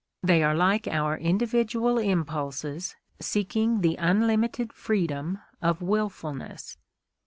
They are like our individual impulses seeking the unlimited freedom of wilfulness.